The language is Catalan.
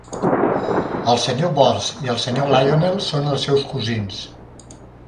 El Sr. Bors i el Sr. Lionel són els seus cosins.